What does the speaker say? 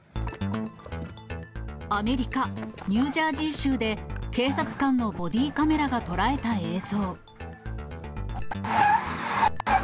アメリカ・ニュージャージー州で、警察官のボディーカメラが捉えた映像。